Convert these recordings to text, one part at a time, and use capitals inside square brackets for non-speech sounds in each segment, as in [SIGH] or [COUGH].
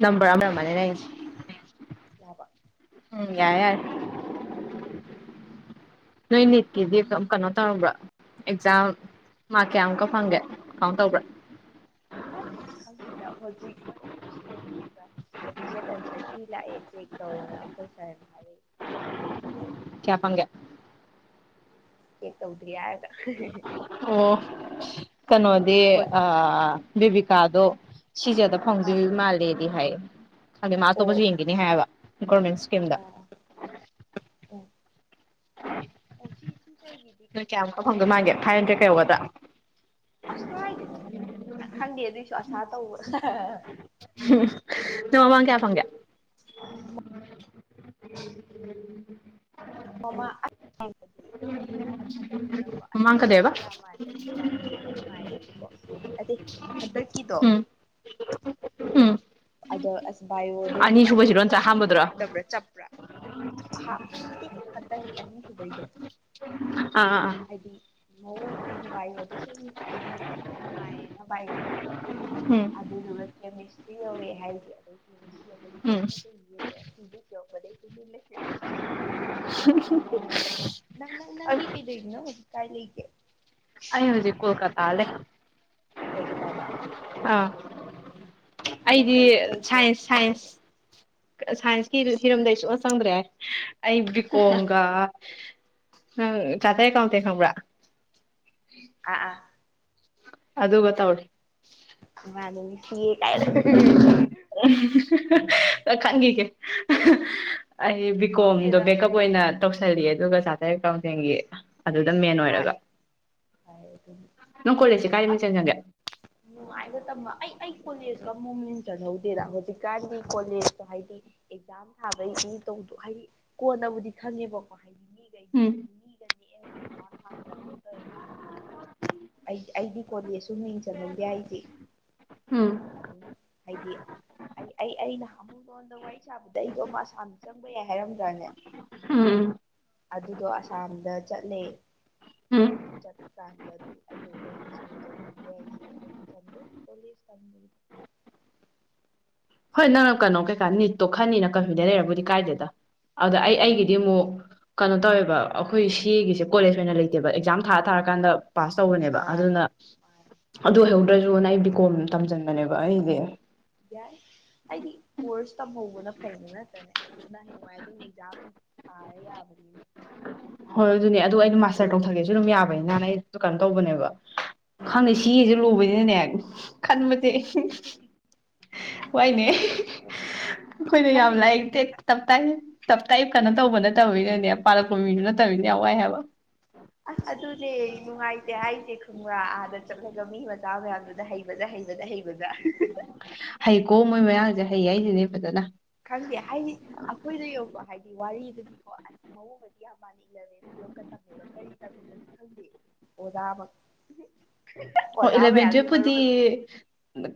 number ꯑꯃ ꯃꯥꯅꯦꯅꯦ ꯑꯩꯁ ꯎꯝ ꯌꯥꯏꯔ ꯅꯣꯏ ꯅꯤꯠꯀꯤꯗꯤꯝ ꯀꯩꯅꯣ ꯇꯧꯔꯕ꯭ꯔꯥ ꯑꯦꯛꯖꯥꯝ ꯃꯥꯔꯛ ꯀꯌꯥꯃꯨꯛꯀ ꯐꯪꯒꯦ ꯀꯥꯎꯟ ꯇꯧꯕ꯭ꯔꯥ ꯈꯪꯗꯦꯗ ꯍꯧꯖꯤꯛ ꯃꯣꯏ ꯑꯣꯐꯤꯁꯦꯜ ꯀꯩ ꯑꯣꯐꯤꯁꯦꯜ ꯑꯟꯁꯔ ꯀ ꯂꯥꯛꯑꯦ ꯆꯦꯛ ꯇꯧꯔꯒ ꯑꯩꯩ ꯁꯔꯦ ꯍꯥꯏꯔ ꯀꯦꯄꯒ ꯀꯦ ꯇꯧꯗ꯭ꯔꯤ ꯌꯥꯒ ꯑꯣ ꯀꯩꯅꯣꯗꯤ ꯑ ꯕꯤꯕꯀꯥ ꯑꯗꯨꯣ ꯁꯤꯁꯦ ꯑꯗ ꯐꯪꯗꯣꯏ ꯃꯥꯜꯂꯦꯗꯤ ꯍꯥꯏ ꯍꯥꯏꯗꯤ ꯃꯥ ꯑꯇꯣꯞꯄꯁꯨ ꯌꯦꯡꯈꯤꯅꯤ ꯍꯥꯏꯕ ꯒꯣꯔꯃꯦꯟ ꯏꯁꯀꯤꯝꯗ ꯑꯣ ꯏꯖꯒꯤꯗꯤ ꯅꯣꯏ ꯀꯌꯥꯃꯨꯛꯀ ꯐꯪꯗꯣꯏ ꯀꯩꯅꯩꯅꯣ ꯃꯥꯟꯒꯦ ꯃꯦꯟ ꯐꯥꯏꯚ ꯍꯟꯗ꯭ꯔꯦꯗ ꯀ ꯌꯧꯒꯗ꯭ꯔꯥ ꯑꯁ ꯀꯥꯏꯗꯣꯏꯅꯣꯗ ꯈꯪꯗꯦ ꯑꯗꯨꯏꯁꯨ ꯑꯁꯥ ꯇꯧꯕ ꯅꯣꯡꯃ ꯀꯌꯥ ꯐꯪꯒꯦ ꯎ [UNINTELLIGIBLE] ꯍ [UNINTELLIGIBLE] ꯑ ꯍꯟꯗꯛꯛꯇꯨꯅꯀꯣ ꯃꯃꯥꯡ ꯀꯗꯣꯏꯕ ꯑꯍꯣꯡꯒꯗꯤ ꯌꯥꯝ ꯃꯥꯜꯂꯦꯁꯦ ꯄꯥꯏꯌꯨꯕꯗꯣ ꯅꯨꯡꯉꯥꯏꯌꯦꯅꯀꯣ ꯎꯝ ꯎꯝ ꯑꯗꯣ ꯑꯁ ꯕꯥꯏꯌꯑꯣꯗꯣ ꯅꯨꯡꯉꯥꯏ ꯑꯅꯤꯁꯨꯕꯁꯤꯔꯣ ꯀꯩꯅꯣ ꯅꯨꯡꯉꯥꯏꯇꯕ꯭ꯔꯥ ꯆꯠꯄ꯭ꯔꯥ ꯎ [UNINTELLIGIBLE] ꯇꯀꯤ ꯑꯅꯤ ꯍꯕꯩꯗꯣ ꯑꯥ ꯑꯥ ꯍꯥꯏꯗꯤ ꯃꯑꯣꯡꯗ ꯍꯥꯏꯗꯤ ꯕꯥꯏꯔꯣꯗ ꯁꯨꯝ ꯍꯥꯏꯗꯤ ꯅꯨꯡꯉꯥꯏꯌꯦꯅ ꯕꯥꯏꯔꯣꯗꯣ ꯎꯝ ꯑꯗꯨꯗꯨꯒ ꯀꯦꯃꯤꯁꯇ꯭ꯔꯤ ꯌꯧꯔꯛꯑꯦ ꯍꯥꯏꯗꯤ ꯑꯩ ꯁꯤ ꯄ ꯎꯝ ꯀꯩꯅ ꯀꯩ ꯌꯦ ꯇ ꯂꯩ ꯀ ꯄꯔ ꯇꯨꯃꯤ ꯂꯩ ꯑ ꯀꯥꯏ ꯂꯩ ꯀꯦ ꯑꯩ ꯍꯧꯖꯤꯛ ꯀꯣꯜꯀꯇꯥꯂꯦ ꯀꯣꯜꯀꯇꯥꯗ ꯑꯥ ꯑꯩꯗꯤ ꯁꯥꯏꯟꯁ ꯁꯥꯏꯟꯁ ꯁꯥꯏꯟꯁꯀꯤ ꯍꯤꯔꯝꯗ ꯑꯩ ꯁꯨꯡꯅ ꯆꯪꯗ꯭ꯔꯦ ꯑꯩ ꯕꯤ ꯀꯣꯝꯒ ꯑ ꯆꯇꯏ ꯀꯥꯎꯇ ꯈ꯭ꯔ ꯑꯥ ꯑꯥ ꯑꯁ ꯑꯗꯨꯒ ꯇꯧꯔꯦ ꯑꯣꯏꯔꯅꯤ ꯁꯤ ꯀꯥꯏ ꯈꯪꯈꯤꯒꯦ ꯑꯩ ꯕꯤꯀꯣꯝꯗꯣ ꯕꯦꯛꯀꯞ ꯑꯣꯏꯅ ꯇꯧꯁꯜꯂꯤ ꯑꯗꯨꯒ ꯆꯥꯇꯩ ꯀꯥꯡꯊꯦꯡꯒꯤ ꯑꯗꯨꯗ ꯃꯦꯟ ꯑꯣꯏꯔꯒ ꯍꯥꯏ ꯑꯗꯨ ꯅꯪ ꯀꯣꯂꯦꯖꯁꯦ ꯀꯥꯏꯗ ꯃꯤꯡ ꯑꯁ ꯆꯟꯁꯟꯒꯦ ꯅꯨꯡꯉꯥꯏꯕ ꯇꯃ ꯑꯩ ꯀꯣꯖ ꯃꯨꯚꯦꯟꯔ ꯍꯧꯗꯤꯔꯗꯤ ꯒꯥ ꯀꯣꯖ ꯍꯥꯏꯗꯤ ꯑꯦꯛꯖꯝ ꯊꯥꯕꯩꯗꯤ ꯇꯧꯗꯣ ꯍꯥꯏꯗꯤ ꯀꯣꯟꯅꯕꯨꯗꯤ ꯈꯪꯉꯦꯕꯀꯣ ꯍꯥꯏꯗꯤ ꯃꯤꯈꯩꯗꯣ ꯎꯝ ꯍꯥꯏꯗꯤ ꯃꯤꯒꯅꯤꯑꯕ ꯑꯦꯛꯖꯥꯝ ꯊꯥꯍꯜꯂꯝꯃꯦ ꯇꯧꯋꯦꯕꯀꯣ ꯑꯩꯗꯤ ꯀꯣꯂꯦꯖꯁꯨ ꯃꯤꯡ ꯆꯜꯍꯧꯗꯦ ꯍꯥꯏꯗꯤꯦ ꯎꯝ ꯑꯗꯨꯝ ꯍꯥꯏꯗꯤ ꯑꯩ ꯑꯩ ꯑꯩꯅ ꯑꯃꯨꯛ ꯂꯣꯟꯗ ꯋꯥꯔꯤ ꯁꯥꯕꯗ ꯑꯩꯗꯣ ꯃꯥ ꯁꯅ ꯆꯪꯕ ꯌꯥꯏ ꯍꯥꯏꯔꯝꯗ꯭ꯔꯥꯅꯦ ꯎꯝ ꯑꯗꯨꯗꯣ ꯑꯁꯥꯝꯗ ꯆꯠꯂꯦ ꯎꯝ ꯎꯝ ꯑꯗꯨ ꯆꯠꯀꯥꯟꯗ ꯑꯗꯨꯝ ꯑꯩꯗ ꯀꯣꯂꯦꯖ ꯃꯤ ꯆꯪꯍꯧꯗ꯭ꯔꯦ ꯑꯩꯁꯤ ꯑꯗꯨꯅ ꯆꯗꯦ ꯀꯣꯂꯦꯖ ꯇꯝꯗ ꯍꯣꯏ ꯅꯪꯅ ꯀꯩꯅꯣ ꯀꯩꯀꯥ ꯅꯤꯠꯇꯣ ꯈꯅꯤꯅ ꯀꯟꯐ꯭ꯗꯩ ꯂꯩꯔꯕꯨꯗꯤ ꯀꯥꯏꯗꯦꯗ ꯑꯗꯨꯗ ꯑꯩ ꯑꯩꯒꯤꯗꯤ ꯑꯃꯨꯛ ꯀꯩꯅꯣ ꯇꯧꯋꯦꯕ ꯑꯩꯈꯣꯏ ꯁꯤ ꯑꯦꯒꯤꯁꯦ ꯀꯣꯂꯦꯖ ꯑꯣꯏꯅ ꯂꯩꯇꯦꯕ ꯑꯦꯛꯖꯥꯝ ꯊꯥꯔ ꯊꯥꯔꯀꯥꯟꯗ ꯄꯥꯁ ꯇꯧꯕꯅꯦꯕ ꯑꯗꯨꯅ ꯑꯗꯨ ꯑꯣꯏꯍꯧꯗ꯭ꯔꯁꯨ ꯅ ꯑꯩ ꯕꯤꯀꯣꯝ ꯇꯝꯁꯤꯟꯕꯅꯦꯕ ꯑꯩꯁꯦ ꯌꯥꯏ ꯍꯥꯏꯗꯤ ꯀꯣꯔꯁ ꯇꯝꯍꯧꯕꯅ ꯐꯩꯗꯣ ꯅꯠꯇꯅꯦ ꯅ ꯍꯌꯦꯡꯋꯥꯏ ꯑꯗꯨꯝ ꯑꯦꯛꯖꯥꯝ ꯊꯥꯔ ꯌꯥꯕꯅꯤꯅ ꯍꯣꯏ ꯑꯗꯨꯅꯦ ꯑꯗꯨ ꯑꯩꯩꯅ ꯃꯥꯁꯇꯔ ꯇꯧꯊꯒꯦꯁꯨ ꯑꯗꯨꯝ ꯌꯥꯕꯅꯤ ꯅꯍꯥꯟ ꯑꯩ ꯀꯩꯅꯣ ꯇꯧꯕꯅꯦꯕ ꯈꯪꯗꯦ ꯁꯤꯦꯁꯨꯦ ꯂꯨꯕꯅꯤꯅꯅꯦ ꯈꯟꯕ ꯋꯥꯏꯅꯦ ꯑꯩꯈꯣꯏꯅ ꯌꯥꯝ ꯂꯥꯛꯏꯦ ꯇꯞꯇ ꯇꯞꯇꯥꯏ ꯀꯩꯅꯣ ꯇꯧꯕ ꯅꯠꯇꯕꯕꯤꯗꯅꯦ ꯄꯥꯜꯂꯛꯄ ꯃꯤꯗꯨ ꯅꯠꯇꯕꯅꯦ ꯋꯥꯏ ꯍꯥꯏꯕ ꯑꯁ ꯑꯗꯨꯅꯦ ꯅꯨꯡꯉꯥꯏꯇꯦ ꯍꯥꯏꯁꯦ ꯈꯣꯡꯕ꯭ꯔꯥ ꯑꯥꯗ ꯆꯠꯂꯒ ꯃꯤ ꯃꯆꯥ ꯃꯌꯥꯝꯗꯨꯗ ꯍꯩꯕꯗ ꯍꯩ ꯕꯗ ꯍꯕꯗ ꯍꯩꯀꯣ ꯃꯣꯏ ꯃꯌꯥꯁꯦ ꯍꯩ ꯍꯥꯏꯁꯤꯅꯦ ꯐꯖꯅ ꯈꯪꯗꯦ ꯍꯥꯏꯗꯤ ꯑꯩꯈꯣꯏꯗ ꯌꯦꯡꯉꯀꯣ ꯍꯥꯏꯗꯤ ꯋꯥꯔꯤꯗꯗꯤꯀꯣ ꯑꯁ ꯃꯑꯣꯡꯗꯗꯤ ꯌꯥꯝ ꯃꯥꯅ ꯏꯂꯚꯦꯟ ꯇꯨꯋꯦꯜꯞꯀ ꯇꯝꯃꯤꯕ ꯀꯔꯤ ꯇꯝꯃꯤꯅꯣꯁꯨ ꯈꯪꯗꯦ ꯑꯣꯖꯥ ꯑꯣ ꯏꯂꯚꯦꯟ ꯇꯨꯋꯦꯜꯐꯄꯨꯗꯤ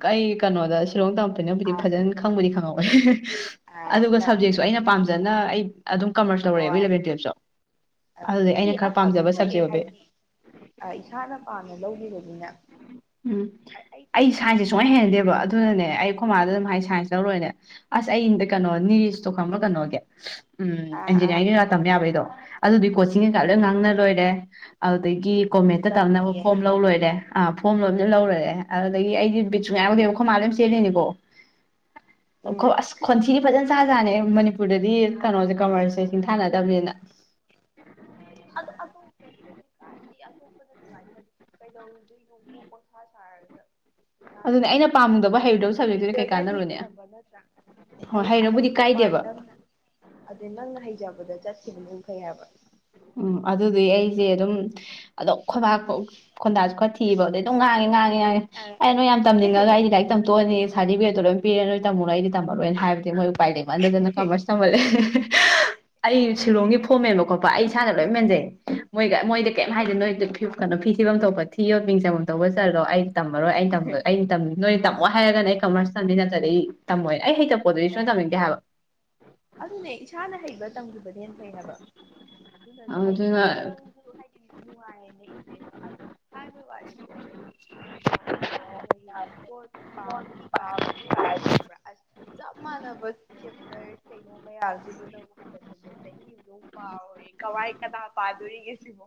ꯀꯩ ꯀꯩꯅꯣꯗ ꯐꯤꯔꯣꯡ ꯇꯝꯃꯛꯛꯄꯅꯕꯨꯗꯤ ꯐꯖꯅ ꯈꯪꯕꯨꯗꯤ ꯈꯪꯍꯧꯋꯦ ꯑꯗꯨꯒ ꯁꯞꯖꯦꯛꯁꯨ ꯑꯩꯅ ꯄꯥꯝꯖꯅ ꯑꯩ ꯑꯗꯨꯝ ꯀꯃꯔꯁ ꯇꯔꯛꯦꯕ ꯏꯂꯕꯚꯦꯟ ꯇꯨꯌꯦꯞꯇꯣ ꯑꯦ ꯑꯗꯨ ꯑꯗꯨ ꯐꯩꯌꯦ ꯍꯥꯏꯗꯤ ꯏꯁꯥꯅ ꯄꯥꯝꯅ ꯂꯧꯕꯤꯔꯕꯅꯤꯅ ꯎꯝ ꯑꯩ ꯁꯥꯏꯟꯁꯁꯦ ꯁꯨꯡꯥꯏꯅ ꯍꯦꯟꯟꯅꯗꯦꯕ ꯑꯗꯨꯅꯅꯦ ꯑꯩ ꯈꯨꯣꯝꯃꯥꯗ ꯑꯗꯨꯝ ꯍꯥꯏ ꯁꯥꯏꯟꯁ ꯇꯧꯔꯣꯏꯅꯦ ꯑꯁ ꯑꯩꯗ ꯀꯩꯅꯣ ꯅꯤꯔꯤꯁꯇꯣ ꯈꯪꯕ꯭ꯔꯣ ꯀꯩꯅꯣꯒꯤ ꯎꯝ ꯏꯟꯖꯤꯅꯤꯌꯥꯔꯤꯡ ꯀꯩꯀꯥ ꯇꯧ ꯌꯥꯕ ꯑꯩꯗꯣ ꯑꯗꯨꯗꯤ ꯀꯣꯆꯤꯡ ꯀꯩꯀꯥ ꯂꯣꯏ ꯉꯥꯡꯅ ꯂꯣꯏꯔꯦ ꯑꯗꯒꯤ ꯀꯣꯃꯦꯠꯇ ꯇꯝꯅꯕ ꯐꯣꯝ ꯂ ꯂꯣꯏꯔꯦ ꯑꯥ ꯐꯣꯝ ꯑꯗꯨ ꯂꯧꯔꯦ ꯑꯗꯨꯗꯒꯤ ꯑꯩꯗꯤ ꯕꯤꯠꯆꯨ ꯉꯥꯏꯔꯗꯦꯕ ꯈꯝꯃꯥꯗ ꯑꯗꯨꯝ ꯆꯦꯜꯂꯤꯅꯤꯀꯣ ꯑ ꯈꯣꯟꯁꯤꯅꯤ ꯐꯖꯅ ꯆ ꯖꯥꯅꯤ ꯃꯅꯤꯄꯨꯔꯗꯗꯤ ꯀꯩꯅꯣꯁꯦ ꯀꯃꯔꯁꯁꯦ ꯁꯤꯡꯊꯥꯅꯗꯕꯅꯤꯅ ꯍꯧꯖꯤꯛꯀꯥꯟꯗꯤ ꯑꯇꯣꯞꯄꯗ ꯅꯨꯡꯉꯥꯏꯇꯦ ꯍꯥꯏꯗꯤ ꯀꯩꯗꯧꯔꯗꯣꯏꯅꯣꯀꯣ ꯄꯣꯁꯥ ꯁꯥꯔꯒ ꯀꯥꯟꯗ ꯑꯗꯨꯅꯦ ꯑꯩꯅ ꯄꯥꯝꯃꯨꯗꯕ ꯍꯩꯔꯨꯗꯕ ꯁꯕꯖꯦꯛꯇꯨꯗꯤ ꯀꯩ ꯍꯩꯇ꯭ꯔꯒꯗꯤ ꯀꯥꯟꯅꯔꯨꯅꯤ ꯐꯕ ꯅꯠꯇ꯭ꯔꯥ ꯍꯣꯏ ꯍꯩꯔꯕꯨꯗꯤ ꯀꯥꯏꯗꯦꯕ ꯑꯗ ꯅꯪꯅ ꯍꯩꯖꯕꯗ ꯆꯠꯈꯤꯕꯅ ꯐꯩ ꯍꯥꯏꯕ ꯎꯝ ꯑꯗꯨꯗꯤ ꯑꯩꯁꯦ ꯑꯗꯨꯝ ꯑꯝ ꯈꯣꯏꯕꯥꯛꯄ ꯈꯣꯟꯗꯥꯁꯨ ꯈꯔ ꯊꯤꯕ ꯑꯗꯩ ꯑꯗꯨꯝ ꯉꯥꯡꯉꯤ ꯉꯥꯡꯉꯦ ꯌꯥꯏ ꯑꯩ ꯅꯣꯏ ꯌꯥꯝ ꯇꯝꯅꯤꯡꯉꯒ ꯑꯩꯗꯤ ꯂꯥꯏꯔꯤꯛ ꯇꯝꯊꯣꯛꯑꯅꯤ ꯁꯥꯔꯇꯤꯐꯤꯀꯦꯠꯇꯣ ꯂꯣꯏ ꯄꯤꯔꯦ ꯅꯣꯏ ꯇꯝꯃꯨꯔꯣ ꯑꯩꯗꯤꯝꯜꯂꯣꯏ ꯍꯥꯏꯕꯗꯤ ꯅꯣꯏ ꯎꯄꯥꯏ ꯂꯩꯃꯥꯟꯗꯅ ꯀꯃꯔ ꯇꯃꯜꯂꯦ ꯑꯩ ꯁꯤꯂꯣꯡꯒꯤ ꯐꯣꯝ ꯃꯦꯟꯕ ꯈꯣꯠꯄ ꯑꯩ ꯏꯁꯥꯅ ꯂꯣꯏ ꯃꯦꯟꯖꯩ ꯃꯣꯏꯒ ꯃꯣꯏꯗ ꯀꯩꯝ ꯍꯥꯏꯗꯦ ꯅꯣꯏ ꯀꯩꯅꯣ ꯐꯤ ꯊꯤꯐꯝ ꯊꯣꯛꯄ ꯊꯤꯌꯣ ꯃꯤꯡ ꯆꯐꯝ ꯇꯧꯕ ꯆꯔꯗꯣ ꯑꯩ ꯇꯝꯃꯔꯣꯏ ꯑꯩꯅ ꯇꯝꯃꯣꯏ ꯑꯩꯅꯝꯃꯤ ꯅꯣꯏ ꯇꯝꯃꯣ ꯍꯥꯏꯔꯒꯅ ꯑꯩ ꯀꯃꯔꯁ ꯇꯝꯃꯤ ꯅꯠꯇ꯭ꯔꯗꯤ ꯑꯩ ꯇꯝꯃꯣꯏ ꯑꯩ ꯍꯩꯇ ꯄꯗꯨꯕꯤꯁ ꯇꯃꯤ ꯀꯌꯥ ꯍꯥꯏ ꯑꯗꯨꯅꯁꯨ ꯍꯥꯏꯗꯤ ꯑꯗꯨꯅ ꯅꯪꯁꯨ ꯍꯥꯏꯗꯤ ꯅꯨꯡꯉꯥꯏꯌꯦꯅ ꯏꯟꯇꯔꯦꯁꯇꯣ ꯑꯁ ꯍꯥꯏꯕꯒꯤ ꯋꯥꯅꯤꯀꯣ ꯍꯥꯏꯗꯤ ꯌꯥꯈꯣꯏ ꯄꯣꯠ ꯄꯥꯕꯨꯗꯤ ꯄꯥꯏ ꯑꯗꯨ ꯑꯣꯏꯔꯁꯨ ꯈꯪꯕ꯭ꯔꯥ ꯑꯁ ꯆꯞ ꯃꯥꯟꯅꯕ ꯆꯦꯞꯇꯔ ꯀꯩꯅꯣ ꯃꯌꯥꯝꯁꯤꯕꯨ ꯅꯛ ꯍꯟꯗꯟ ꯍꯟꯖꯤꯟ ꯆꯍꯤꯨꯗ ꯄꯥ ꯀꯋꯥꯏ ꯀꯅꯥ ꯄꯥꯗꯣꯔꯤꯒꯦ ꯁꯤꯕꯣ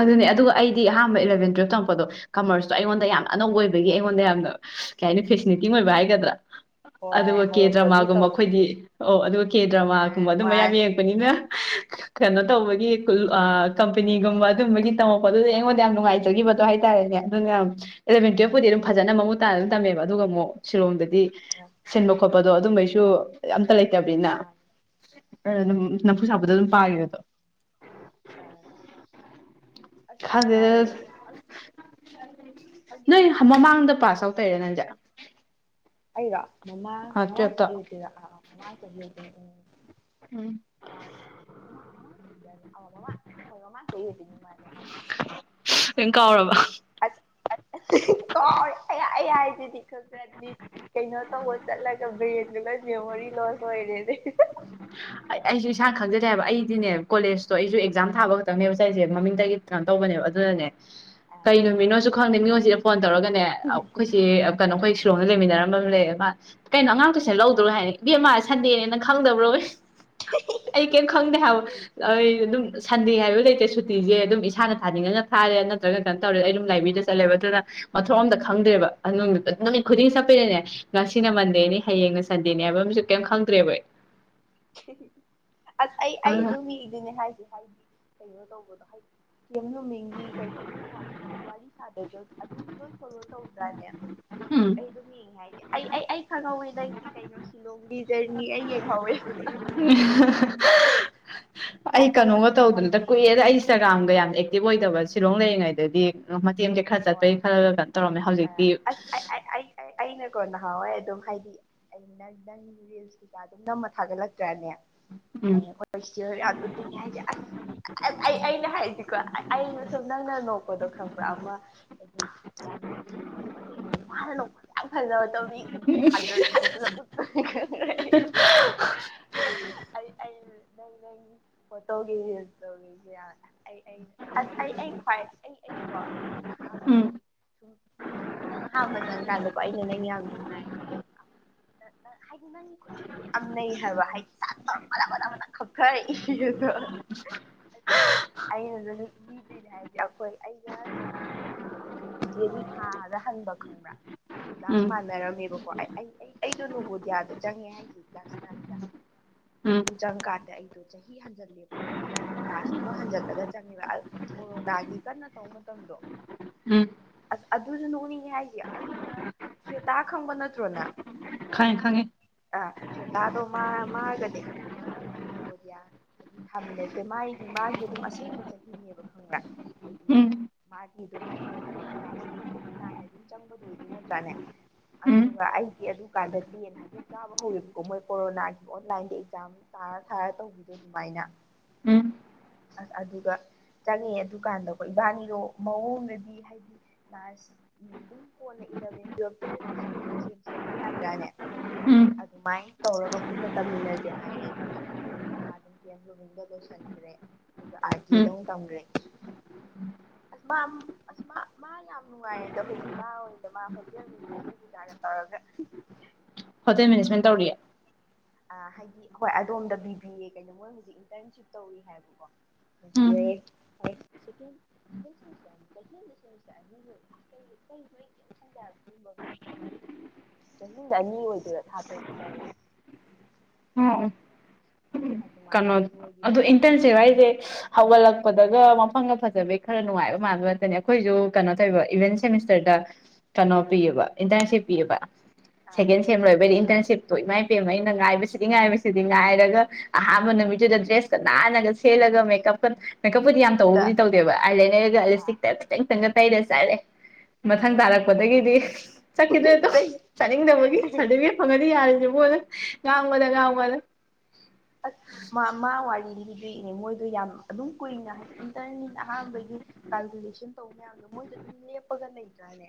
ꯑꯗꯨꯅꯦ ꯑꯗꯨꯒ ꯑꯩꯗꯤ ꯑꯍꯥꯟꯕ ꯏꯂꯚꯦꯟ ꯇꯨꯋꯦꯜꯞ ꯊꯪꯉꯛꯄꯗꯣ ꯀꯃꯔꯁꯇꯣ ꯑꯩꯉꯣꯟꯗ ꯌꯥꯝꯅ ꯑꯅꯧꯕ ꯑꯣꯏꯕꯒꯤ ꯑꯩꯉꯣꯟꯗ ꯌꯥꯝꯅ ꯀꯩ ꯍꯥꯏꯅꯤ ꯐꯦꯁꯤꯅꯤꯇꯤꯡ ꯑꯣꯏꯕ ꯍꯥꯏꯒꯗ꯭ꯔꯥ ꯑꯗꯨꯒ ꯀꯦ ꯗ꯭ꯔꯃꯥꯒꯨꯝꯕ ꯑꯩꯈꯣꯏꯗꯤ ꯑꯣ ꯑꯗꯨꯒ ꯀꯦ ꯗ꯭ꯔꯃꯥꯒꯨꯝꯕ ꯑꯗꯨ ꯃꯌꯥꯝ ꯌꯦꯡꯉꯛꯄꯅꯤꯅ ꯀꯩꯅꯣ ꯇꯧꯕꯒꯤ ꯀꯝꯄꯅꯤꯒꯨꯝꯕ ꯑꯗꯨꯝꯕꯒꯤ ꯇꯝꯃꯛꯛꯄ ꯑꯗꯨꯗꯤ ꯑꯩꯉꯣꯟꯗ ꯌꯥꯝ ꯅꯨꯡꯉꯥꯏꯖꯈꯤꯕꯗꯣ ꯍꯥꯏꯇꯥꯔꯦꯅꯦ ꯑꯗꯨꯅ ꯌꯥꯝ ꯑꯦꯂꯚꯦꯟ ꯇꯨꯋꯦꯜꯞꯄꯨꯗꯤ ꯑꯗꯨꯝ ꯐꯖꯅ ꯃꯃꯨ ꯇꯥ ꯇꯝꯃꯦꯕ ꯑꯗꯨꯒ ꯑꯃꯨꯛ ꯁꯤꯂꯣꯡꯗꯗꯤ ꯁꯤꯟꯕ ꯈꯣꯠꯄꯗꯣ ꯑꯗꯨꯝꯕꯩꯁꯨ ꯌꯥꯝ ꯠꯇ ꯂꯩꯇꯕꯅꯤꯅ ꯑꯗꯨꯝ ꯅꯝꯐꯨ ꯁꯥꯕꯗ ꯑꯗꯨꯝ ꯄꯥꯈꯤꯕ ꯑꯗꯣ ꯑ ꯈꯪꯗꯦꯗ ꯅꯣꯏ ꯃꯃꯥꯡꯗ ꯄꯥꯁ ꯑꯥꯎꯠ ꯇꯧꯔꯦ ꯅꯟꯖꯠ ꯑꯩꯔꯣ ꯃꯃꯥ ꯃꯃ ꯆꯍꯤꯇꯔꯥ ꯑ ꯃꯃ ꯆꯍꯤꯇꯔ ꯎꯝ ꯁ ꯃꯃ ꯃꯃꯥ ꯀꯔꯦ ꯑꯃꯃ ꯍꯃ ꯀꯗꯤꯉꯃꯕꯃ ꯂꯣꯏ ꯀꯥꯎꯔꯕ ꯀ ꯌꯥ ꯗꯤ ꯈ ꯆꯗꯤ ꯀꯩꯅꯣ ꯇꯧꯕ ꯆꯠꯂꯒ ꯕ꯭ꯔꯦꯟꯗꯨ ꯂꯣꯏ ꯃꯦꯃꯣꯔꯤ ꯂꯣꯁ ꯑꯣꯏꯔꯦꯅꯦ ꯑꯩ ꯑꯩꯁꯨ ꯏꯁꯥꯅ ꯈꯪꯖꯗꯦꯕ ꯑꯩꯗꯤꯅꯦ ꯀꯣꯂꯦꯖ ꯣ ꯑꯩꯁꯨ ꯑꯦꯛꯖꯥꯝ ꯊꯥꯕ ꯈꯛꯇꯪꯅꯦꯕꯁ ꯑꯩꯁꯦ ꯃꯃꯤꯡꯗꯒꯤ ꯀꯩꯅꯣ ꯇꯧꯕꯅꯦꯕ ꯑꯗꯨꯅꯅꯦ ꯀꯩ ꯅꯨꯃꯤꯠꯅꯣ ꯈꯪꯗꯦ ꯃꯤꯉꯣꯟꯁꯤꯗ ꯐꯣꯟ ꯇꯧꯔꯒꯅꯦ ꯑꯩꯈꯣꯏꯁꯤ ꯀꯩꯅꯣ ꯑꯩꯈꯣꯏ ꯁꯤꯂꯣꯡꯗ ꯂꯩꯃꯤꯟꯅꯔꯝ ꯀꯩꯅꯣ ꯑꯉꯥꯡꯇꯨꯁꯤꯅ ꯂꯧꯗ꯭ꯔꯣ ꯍꯥꯏꯅꯤ ꯏꯕꯃ ꯁꯟꯗꯦꯅꯦꯅ ꯈꯪꯗꯕ꯭ꯔꯣ ꯑꯩ ꯀꯔꯤꯝ ꯈꯪꯗꯦ ꯍꯥꯏꯕ ꯑꯩ ꯑꯗꯨꯝ ꯁꯟꯗꯦ ꯍꯥꯏꯕ ꯂꯩꯇꯦ ꯁꯨꯇꯤꯁꯦ ꯑꯗꯨꯝ ꯏꯁꯥꯅ ꯊꯥꯅꯤꯡꯉꯒ ꯊꯥꯔꯦ ꯅꯠꯇ꯭ꯔꯒ ꯀꯩꯅꯣ ꯇꯧꯔꯦ ꯑꯩ ꯑꯗꯨꯝ ꯂꯥꯏꯕꯦꯔꯤꯗ ꯆꯠꯂꯦꯕ ꯑꯗꯨꯅ ꯃꯊꯣꯛ ꯑꯝꯇ ꯈꯪꯗ꯭ꯔꯦꯕ ꯑꯗꯨ ꯅꯨꯃꯤꯠ ꯈꯨꯗꯤꯡ ꯆꯠꯄꯤꯗꯅꯦ ꯉꯁꯤꯅ ꯃꯟꯗꯦꯅꯤ ꯍꯌꯦꯡꯅ ꯁꯟꯗꯦꯅꯤ ꯍꯥꯏꯕ ꯑꯃꯁꯨ ꯀꯩꯝ ꯈꯪꯗ꯭ꯔꯦꯕꯣꯏ ꯑꯁ ꯑꯩ ꯑꯩ ꯑꯗꯨꯝ ꯃꯤꯗꯨꯅꯦ ꯍꯥꯏꯁꯦ ꯍꯥꯏꯗꯤ ꯀꯩꯅꯣ ꯇꯧꯕꯗꯣ ꯍꯥꯏꯗꯤ ꯀꯦꯝ ꯅꯨꯃꯤꯡꯒꯤ ꯀꯩꯅꯣ ꯅꯣꯏ ꯃꯌꯥꯝ ꯍꯥꯏꯗꯤ ꯋꯥꯔꯤ ꯁꯥꯗ꯭ꯔꯁꯨ ꯑꯗꯨꯝ ꯂꯣꯏ ꯐꯣꯂꯣ ꯇꯧꯗ꯭ꯔꯥꯅꯦ ꯎꯝ ꯑꯩ ꯑꯗꯨꯝ ꯌꯦꯉꯦ ꯍꯥꯏꯁꯦ ꯑꯩ ꯑꯩ ꯑꯩ ꯈꯪꯍꯧꯋꯤ ꯅ ꯅꯪꯒꯤ ꯀꯩꯅꯣ ꯁꯤꯂꯣꯡꯒꯤ ꯖꯔꯅꯤ ꯑꯩ ꯌꯦꯡꯍꯧꯋꯦ ꯑꯩ ꯀꯩꯅꯣꯒ ꯇꯧꯗꯅꯗ ꯀꯨꯏꯑꯦꯗ ꯏꯟꯁꯇꯥꯒ꯭ꯔꯥꯝꯒ ꯌꯥꯝ ꯑꯦꯛꯇꯤꯚ ꯑꯣꯏꯗꯕ ꯁꯤꯂꯣꯡ ꯂꯩꯔꯤꯉꯩꯗꯗꯤ ꯦꯝꯁꯦ ꯈꯔ ꯆꯠꯄꯒꯤ ꯈꯜꯂꯒ ꯀꯩꯅꯣ ꯇꯧꯔꯝꯃꯦ ꯍꯧꯖꯤꯛꯇꯤ ꯑꯩꯅꯀꯣ ꯅꯍꯥꯟꯋꯥꯏ ꯑꯗꯨꯝ ꯍꯥꯏꯗꯤ ꯑ ꯅꯪ ꯅꯪ ꯔꯤꯜꯁ ꯀꯩꯀꯥ ꯑꯗꯨꯝ ꯅꯝꯃ ꯊꯥꯒꯠꯂꯛꯇ꯭ꯔꯅꯦ ꯎꯝ ꯑꯩ ꯍꯣꯇꯦꯜ ꯆꯦꯑꯔ ꯌꯗꯔ꯭ꯗꯤ ꯍꯥꯏꯁꯦ ꯑꯁ ꯑꯩ ꯑꯩꯅ ꯍꯥꯏꯗꯤꯀꯣ ꯑꯩꯅ ꯁꯨꯝ ꯅꯪꯅ ꯅꯣꯛꯄꯗꯣ ꯈꯪꯕ꯭ꯔꯥ ꯑꯃ ꯌꯥꯝ ꯅꯨꯡꯁꯤꯕꯀꯣ ꯑꯗꯩ ꯑꯩꯅꯥ ꯃꯅꯥ ꯂꯧꯕꯥ ꯌꯥꯝ ꯐꯖꯕ ꯇꯧꯋꯤ ꯈꯨꯗꯤꯡꯒꯤ ꯊꯥꯡꯖꯜꯂ ꯎ [INAUDIBLE] ꯅꯪ ꯅꯪ ꯐꯠꯇꯕꯒꯤ ꯔꯣꯟꯠ ꯀꯧꯔꯤꯒꯦ ꯑꯩ ꯑꯩ ꯑꯁ ꯑꯩ ꯑꯩ ꯈꯋꯥꯏ ꯑꯩ ꯑꯩꯀꯣ ꯑꯍꯥꯝꯕ ꯎꯝ ꯍꯥꯏꯗꯤ ꯁꯨꯝ ꯅꯪ ꯑꯍꯥꯝꯕ ꯆꯪꯉꯀꯥꯟꯗꯀꯣ ꯑꯩꯅ ꯅꯪ ꯌꯥꯝ ꯅꯨꯡꯉꯥꯏ ꯍꯥꯏꯗꯤ ꯈꯪꯕ ꯑꯃ ꯍꯥꯏꯗꯤ ꯅꯪꯒꯤ ꯈꯨꯠꯏꯗꯣ ꯌꯥꯝ ꯅꯩ ꯍꯥꯏꯕ ꯍꯥꯏꯗꯤ ꯁꯠ ꯇꯧꯔꯥ ꯕꯗꯛ ꯕꯗꯛ ꯕꯗꯛ ꯈꯞꯊꯥꯔꯛꯏ ꯑ ꯑꯩ ꯑꯩꯅꯁꯨ ꯂꯤꯗ꯭ꯔꯤꯅꯦ ꯍꯥꯏꯁꯦ ꯑꯩꯈꯣꯏ ꯑꯩꯒ ꯍꯥꯏꯖꯤꯛꯀꯤ ꯊꯥꯗ ꯍꯟꯕ ꯈꯪꯕ꯭ꯔꯥ ꯀ꯭ꯂꯥꯁ ꯎꯝ ꯃꯥꯟꯅꯔꯝꯃꯦꯕꯀꯣ ꯑꯩ ꯑꯩ ꯑꯩ ꯑꯩꯗꯣ ꯅꯣꯡꯚꯣꯗꯤꯌꯥꯗ ꯆꯪꯉꯦ ꯍꯥꯏꯁꯦ ꯀ꯭ꯂꯥꯁ ꯅꯥꯏꯟꯗ ꯎꯝ ꯑꯗꯨ ꯆꯪꯀꯥꯟꯗ ꯑꯩ ꯗꯣ ꯆꯍꯤ ꯍꯟꯖꯜꯂꯦꯕ ꯈꯪꯕ꯭ꯔ ꯍꯥꯏꯗꯤ ꯀ꯭ꯂꯥꯁ ꯑꯃ ꯍꯟꯖꯜꯂꯒ ꯆꯪꯉꯦꯕ ꯀꯣꯔꯣꯅꯥꯒꯤ ꯀꯟꯅ ꯇꯧꯕ ꯃꯇꯝꯗꯣ ꯎꯝ ꯑꯁ ꯑꯗꯨꯁꯨ ꯅꯣꯛꯅꯤꯡꯉꯦ ꯍꯥꯏꯁꯦ ꯑꯩꯒ ꯁ꯭ꯋꯦꯇꯥ ꯈꯪꯕ ꯅꯠꯇ꯭ꯔꯣꯅꯥ ꯈꯪꯉꯦ ꯈꯪꯉꯦ ꯁꯋꯦꯇꯥꯗꯣ ꯃꯥ ꯃꯥꯒꯅꯦ ꯈꯪꯕ ꯏꯕꯥꯅꯤꯁꯦ ꯅꯣꯕꯣꯗꯤꯌꯥ ꯍꯥꯏꯗꯤ ꯊꯥꯃꯤꯟꯅꯁꯦ ꯃꯥꯒꯤ ꯃꯥꯒꯤ ꯑꯗꯨꯝ ꯑꯁꯦꯡꯕ ꯆꯍꯤꯅꯦꯕ ꯈꯪꯕ꯭ꯔꯥ ꯍꯥꯏꯗꯤ ꯎꯝ ꯃꯥꯒꯤ ꯑꯗꯨꯝ ꯀꯩ ꯀ꯭ꯂꯥꯁ ꯑꯩꯠꯇꯒꯤ ꯅꯥꯏꯟ ꯑꯗꯨꯝ ꯆꯪꯕꯗꯣ ꯑꯣꯏꯗꯣꯏ ꯅꯠꯇ꯭ꯔꯥꯅꯦ ꯎꯝ ꯑꯗꯨꯒ ꯑꯩꯒꯤ ꯑꯗꯨꯀꯥꯟꯗ ꯇꯦꯟ ꯍꯥꯏꯐꯦꯠ ꯀꯥꯕ ꯍꯧꯔꯤꯕꯀꯣ ꯃꯣꯏ ꯀꯣꯔꯣꯅꯥꯒꯤ ꯑꯣꯟꯂꯥꯏꯟꯗ ꯑꯦꯛꯖꯥꯝ ꯇꯥ ꯊꯔ ꯊꯔ ꯇꯧꯕꯤꯗꯣ ꯑꯗꯨꯃꯥꯏꯅ ꯎꯝ ꯑꯁ ꯑꯗꯨꯒ ꯆꯪꯉꯦ ꯑꯗꯨꯀꯥꯟꯗꯀꯣ ꯏꯕꯥꯅꯤꯗꯣ ꯃꯑꯣꯡꯅꯗꯤ ꯍꯥꯏꯗꯤ ꯀ꯭ꯂꯥꯁ ꯑꯗꯨꯝ ꯀꯣꯟꯂ ꯏꯂꯚꯦꯟ ꯇꯨꯋꯦꯜꯐꯇ ꯁ꯭ꯀꯨꯜ ꯑꯦ ꯆꯦꯟꯖ ꯇꯧ ꯇꯧꯕ ꯌꯥꯗꯥꯏꯅꯦ ꯎꯝ ꯑꯗꯨꯃꯥꯏ ꯇꯧꯔꯒ ꯄꯨꯟꯅ ꯇꯝꯃꯤꯟꯅꯁꯦ ꯍꯥꯏꯔꯦ ꯑꯗꯨꯒ ꯑꯗꯨꯝ ꯃꯥ ꯑꯗꯨꯝ ꯀꯦ ꯑꯦꯝ ꯔꯨꯕꯤꯟꯗ ꯂꯣꯏꯁꯟ ꯭ꯔꯦ ꯑꯗꯨꯒ ꯑꯥꯔꯇꯤꯗꯧ ꯇꯝꯈ꯭ꯔꯦ ꯎꯝ ꯑꯁ ꯃꯥ ꯑꯁ ꯃꯥ ꯃꯥ ꯌꯥꯝ ꯅꯨꯡꯉꯥꯏꯔꯦꯗꯥ ꯍꯧꯖꯤꯛ ꯃꯥ ꯑꯣꯏꯅ ꯃꯥ ꯍꯣꯇꯦꯜ ꯃꯦꯅꯦꯖꯃꯦꯟꯒꯤꯒꯔꯥ ꯇꯧꯔ ꯇꯧꯒ ꯍꯣꯇꯦꯜ ꯃꯦꯅꯦꯖꯃꯦꯟ ꯇꯧꯔꯤꯌꯦ ꯑ ꯍꯥꯏꯗꯤ ꯑꯩꯈꯣꯏ ꯑꯗꯣꯝꯗꯒꯤ ꯕꯤ ꯑꯦ ꯀꯩꯅꯣ ꯃꯣꯏ ꯍꯧꯖꯤꯛ ꯏꯟꯇꯔꯟꯁꯤꯞ ꯇꯧꯔꯤ ꯍꯥꯏꯕꯀꯣ ꯎꯝ [UNINTELLIGIBLE] ꯁꯦꯀꯦꯟ ꯁꯤꯝꯃꯤꯁꯇꯔ ꯆꯍꯤ ꯑꯃꯗ ꯁꯤꯝꯃꯤꯁꯇꯔ ꯑꯅꯤ ꯂꯩꯕꯥꯀꯣ ꯀꯩꯒꯤ ꯀꯩꯒꯤꯅꯣ ꯑꯩ ꯀꯩꯃ ꯈꯪꯗꯦ ꯍꯥꯏꯕꯥ ꯆꯍꯤꯗ ꯑꯅꯤ ꯑꯣꯏꯗꯣꯏꯔꯥ ꯊꯥ ꯇꯔꯨꯛ ꯇꯔꯨꯛ ꯀꯟꯅꯣ ꯑꯗꯨ ꯏꯟꯇꯔꯟ ꯁꯦ ꯍꯥꯏꯁꯦ ꯍꯧꯒꯠꯂꯛꯄꯗ ꯂꯣꯏꯔꯦ ꯃꯐꯝꯒ ꯐꯖꯕꯩ ꯈꯔ ꯅꯨꯡꯉꯥꯏꯕꯩ ꯃꯥꯟꯕ ꯈꯇꯅꯦ ꯑꯩꯈꯣꯏꯁꯨ ꯀꯩꯅꯣ ꯇꯧ ꯏꯚꯦꯟ ꯁꯦꯃꯤꯁꯇꯔꯗ ꯇꯔꯝ ꯃꯥ ꯄꯤꯌꯦꯕ ꯏꯟꯇꯔꯟꯁꯤꯄ ꯄꯤꯌꯦꯕ ꯁꯦꯀꯦꯟ ꯁꯦꯝ ꯂꯣꯏꯕꯗꯤ ꯏꯟꯇꯔꯟꯁꯤꯞꯇꯣ ꯏꯃꯥꯏ ꯄꯦꯝꯃ ꯑꯩꯅ ꯉꯥꯏꯕꯁꯤꯗꯤ ꯉꯥꯏꯕꯁꯤꯗꯤ ꯉꯥꯏꯔꯒ ꯑꯍꯥꯟꯕꯥ ꯅꯨꯃꯤꯠꯇꯨꯗꯥ ꯗ꯭ꯔꯦꯁ ꯀ ꯅꯥꯥꯟꯅꯥꯒ ꯁꯦꯠꯂꯒ ꯃꯦꯀꯞꯀ ꯃꯦꯀꯞꯄꯨꯗꯤ ꯌꯥꯝ ꯇꯧꯕꯕꯨꯗꯤ ꯇꯧꯗꯦꯕ ꯑꯥꯏ ꯂꯥꯏꯅꯔꯒ ꯑꯥꯏ ꯂꯤꯞꯁꯇꯤꯛꯇ ꯈꯤꯇꯪ ꯇ꯭ꯪꯉꯥ ꯇꯩꯔ ꯆꯥꯠꯂꯦ ꯃꯊꯪ ꯇꯥꯔꯛꯄꯗꯒꯤꯗꯤ ꯆꯠꯈꯤꯗ꯭ꯔꯦꯗꯣ ꯆꯠꯅꯤꯡꯗꯕꯒꯤ ꯁꯥꯔꯇꯤꯐꯤꯀꯦꯠ ꯐꯪꯉꯗꯤ ꯌꯥꯔꯦ ꯉꯥꯡꯕꯗ ꯉꯥꯡꯕꯗ ꯑꯁ ꯃꯥ ꯃꯥ ꯋꯥꯔꯤ ꯂꯤꯕꯤꯗꯨꯏꯅꯦ ꯃꯣꯏꯗꯣ ꯌꯥꯝ ꯑꯗꯨꯝ ꯀꯨꯏꯅ ꯍꯥꯏꯗꯤ ꯏꯟꯇꯔꯅꯤꯅꯥ ꯑꯍꯥꯟꯕꯒꯤ ꯀꯥꯜꯀꯨꯂꯦꯁꯟ ꯇꯧꯕ ꯃꯌꯥꯝꯗꯣ ꯃꯣꯏꯗꯨ ꯑꯗꯨꯝ ꯂꯦꯞꯄꯒ ꯂꯩ ꯖꯅꯦ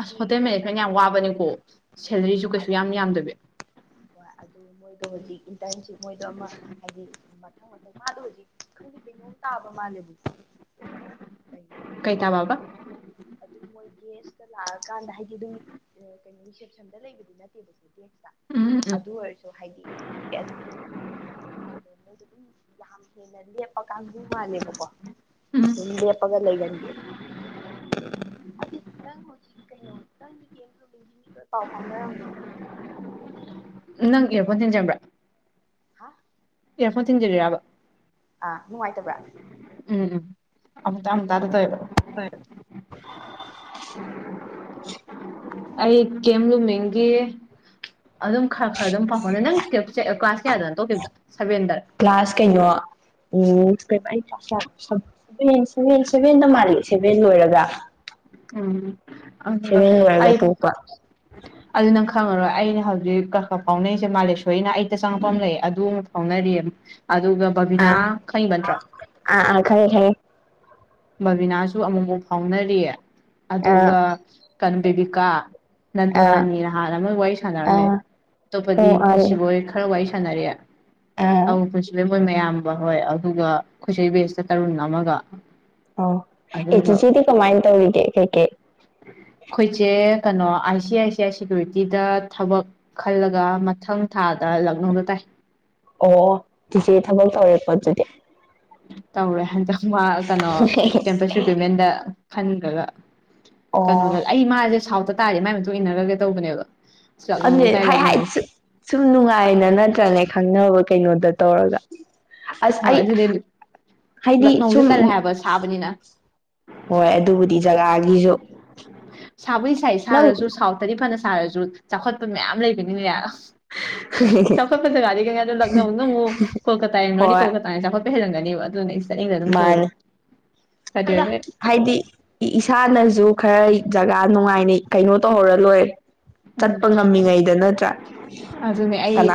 ꯑꯁ ꯍꯣꯇꯦꯜ ꯃꯦꯅꯦꯖꯃꯦꯟ ꯌꯥꯝ ꯋꯥꯕꯅꯦꯀꯣ ꯁꯦꯂꯔꯤꯁꯨ ꯀꯩꯁꯨ ꯌꯥꯝ ꯌꯥꯝꯗꯕꯤ ꯍꯣꯏ ꯑꯗꯨ ꯃꯣꯏꯗꯣ ꯍꯧꯖꯤꯛ ꯏꯟꯇꯔ ꯁꯤꯄ ꯃꯣꯏꯗꯣ ꯑꯃ ꯍꯥꯏꯗꯤ ꯃꯊꯪ ꯃꯊꯪ ꯃꯥꯗꯣ ꯍꯧꯖꯤꯛ ꯈꯪꯒꯤ ꯀꯩꯅꯣꯝ ꯇꯥꯕ ꯃꯥꯜꯂꯦꯕ ꯀꯩꯇꯥꯥꯕꯥ ꯍꯥꯏꯕꯥ ꯒꯦꯁꯇꯥ ꯂꯥꯛꯑꯀꯥꯟꯗ ꯍꯥꯏꯗꯤ ꯑꯗꯨꯝ ꯀꯩꯅꯣ ꯔꯤꯁꯦꯞꯁꯟꯗ ꯂꯩꯕꯗꯨ ꯅꯠꯇꯦꯕ ꯈꯣꯠꯇꯤ ꯎꯝ ꯎꯝ ꯑꯗꯨ ꯑꯣꯏꯔꯁꯨ ꯍꯥꯏꯗꯤ ꯈ ꯑꯗꯨꯃꯥꯏꯅ ꯈꯔ ꯀꯩꯅꯣꯗꯕꯀꯣ ꯑꯣ ꯃꯣꯏꯗꯣ ꯑꯗꯨꯝ ꯌꯥꯝ ꯍꯦꯟꯅ ꯂꯦꯞꯄ ꯂ ꯀꯥꯡꯕꯨ ꯃꯥꯜꯂꯦꯕꯀꯣ ꯎꯝ ꯑꯗꯨꯝ ꯂꯦꯞꯄꯒ ꯂꯩꯒꯟꯒꯦꯅ ꯅꯪ ꯍꯧꯖꯤꯛ ꯀꯩꯅꯣ ꯅꯪ ꯕꯃꯤꯒꯤ ꯃꯤ ꯂꯣꯏ ꯄꯥꯎ ꯐꯥꯎꯅꯔꯝꯈꯤꯅꯤꯅꯦ ꯅꯪ ꯈꯥꯎꯅꯔꯤꯕꯣ ꯏꯌꯥꯔꯐꯣꯟ ꯊꯤꯟꯖꯟꯕ꯭ꯔꯥ ꯍꯥ ꯀꯦꯔꯐ ꯊꯤꯟꯖꯒꯔꯕ ꯑꯥ ꯅꯨꯡꯉꯥꯏꯇꯕ꯭ꯔꯥ ꯎꯝ ꯎꯝ ꯑꯃꯨꯛꯇ ꯑꯃꯨꯛꯇꯥꯗ ꯇꯧꯋꯦꯕ [UNINTELLIGIBLE] ꯑꯩ ꯀꯦꯝ ꯂꯨ ꯃꯦꯒꯦ ꯑꯗꯨꯝ ꯈꯔ ꯈꯔ ꯑꯗꯨꯝ ꯐꯥꯎꯍꯅꯤ ꯅꯪ ꯀ꯭ꯂꯥꯁ ꯀꯌꯥꯗꯅ ꯇꯧꯈꯤꯕꯗ ꯁꯚꯦꯟꯗ ꯀꯩꯅꯣ ꯁꯚꯦꯟꯗ ꯃꯥꯜꯂꯤ ꯁꯚꯦꯟ ꯂꯣꯏꯔꯒ ꯎꯝ ꯑꯗꯨ ꯑ ꯑꯗꯨ ꯅꯪ ꯈꯪꯉꯔꯣꯏ ꯑꯩꯅ ꯍꯧꯖꯤꯛ ꯀ ꯈ ꯐꯥꯎꯅꯔꯤꯁꯦ ꯃꯥꯂꯦꯁꯣꯏꯅ ꯑꯩꯇ ꯆꯪꯉꯛꯄ ꯂꯩ ꯑꯗꯨ ꯐꯥꯎꯅꯔꯤꯌꯦ ꯑꯗꯨꯒ ꯕꯕꯤꯅꯥ ꯈꯪꯕ ꯅꯠꯇ꯭ꯔꯥ ꯈꯔ ꯍꯦ ꯕꯕꯤꯅꯥꯁꯨ ꯑꯃꯨꯛꯐꯥꯎ ꯐꯥꯎꯅꯔꯤꯌꯦ ꯑ ꯑꯗꯨꯒ ꯀꯟ ꯕꯦꯕꯤꯀꯥ ꯑ ꯅꯟꯗꯨꯔꯥꯅꯤꯅ ꯍꯥꯟꯅ ꯑꯃ ꯋꯥꯔꯤ ꯑ ꯁꯥꯟꯅꯔꯝꯃꯦ ꯑꯇꯣꯞꯄꯗꯤ ꯑꯣ ꯑꯥ ꯄꯨꯟꯁꯤꯕꯣꯏ ꯈꯔ ꯋꯥꯔꯤ ꯁꯥꯟꯅꯔꯦ ꯑꯥ ꯑꯃ ꯄꯨꯟꯁꯤꯕꯣꯏ ꯑꯩꯈꯣꯏ ꯃꯌꯥꯝꯕ ꯍꯣꯏ ꯑꯗꯨꯒ ꯑꯩꯣꯏꯆꯩ ꯕꯦꯁꯇ ꯇꯔꯨꯟ ꯑꯃꯒ ꯑꯣ ꯑꯗꯨꯒ ꯑꯦꯆꯖꯤꯗꯤ ꯀꯃꯥꯏꯅ ꯇꯧꯔꯤꯒꯦ ꯀꯩꯀꯩ ꯑꯩꯈꯣꯏꯁꯦ ꯀꯩꯅꯣ I C I C I ꯁꯦꯀꯌꯨꯔꯤꯇꯤꯗ ꯊꯕꯛ ꯈꯜꯂꯒ ꯃꯊꯪ ꯊꯥꯗ ꯂꯛꯅꯧꯗ ꯇꯥꯏ ꯑꯣ ꯇꯆꯦ ꯊꯕꯛ ꯇꯧꯔꯦ ꯄꯣꯠ ꯑꯗꯨꯗꯤ ꯇꯧꯔꯦ ꯍꯟꯗꯛ ꯃꯥ ꯀꯩꯅꯣ ꯀꯦꯝꯄꯁ ꯔꯤꯀ꯭ꯋꯤꯠꯃꯦꯟꯗ ꯈꯟꯈ꯭ꯔꯒ ꯀꯩꯅꯣꯗ ꯑꯩ ꯃꯥꯁꯦ ꯁꯥꯎꯠꯇ ꯇꯥꯔꯦ ꯃꯥꯏ ꯃꯇꯨꯡ ꯏꯟꯅꯔꯒꯦ ꯇꯧꯕꯅꯦꯕ ꯂꯛꯅꯧꯗ ꯇꯥꯏ ꯂꯛꯅꯧꯗ ꯑꯗꯨ ꯁꯨꯝ ꯅꯨꯡꯉꯥꯏꯅ ꯅꯠꯇ꯭ꯔꯅꯦ ꯈꯪꯅꯕ ꯀꯩꯅꯣꯗ ꯇꯧꯔꯒ ꯑꯁ ꯍꯣꯏ ꯑꯩ ꯑꯗꯨꯗꯤ ꯍꯥꯏꯗꯤ ꯂꯛꯅꯧꯁꯦ ꯁꯨꯝ ꯇꯜꯂꯦ ꯍꯥꯏꯕ ꯁꯥꯕꯅꯤꯅ ꯍꯣꯏ ꯑꯗꯨꯕꯨꯗꯤ ꯖꯒꯥꯒꯤꯁꯨ ꯁꯥꯕꯨ ꯁꯥꯏ ꯅꯪ ꯁꯥꯔꯁꯨ ꯁꯥꯎꯠꯇꯗꯤ ꯐꯅ ꯁꯥꯔꯁꯨ ꯆꯥꯎꯈꯠꯄ ꯃꯌꯥꯝ ꯂꯩꯕꯅꯤꯅꯦ ꯆꯈꯠꯄꯁꯦꯒꯥꯔꯤ ꯀꯩꯅꯗ ꯂꯪꯅꯗ ꯀꯣꯜꯀꯇꯥꯣꯏꯅꯤ ꯍꯣꯏ ꯀꯣꯀꯇꯥ ꯆꯈꯠ ꯄꯦꯔꯪꯅꯤꯕ ꯑꯗꯨ ꯅ ꯃꯥꯅꯤ ꯀꯩꯗꯧꯋꯦꯕ ꯍꯥꯏꯗꯤ ꯏꯁꯥꯅꯁꯨ ꯈꯔ ꯖꯒꯥ ꯅꯨꯡꯉꯥꯏꯅꯤ ꯀꯩꯅꯣ ꯇꯧꯍꯧꯔ ꯂꯣꯏꯔꯦ ꯎꯝ ꯆꯠꯄ ꯉꯝꯃꯤꯉꯩꯗ ꯅꯠꯇ꯭ꯔꯥ ꯑꯗꯨꯅꯦ ꯑꯩ ꯀꯅꯥ